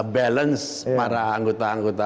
balance para anggota anggota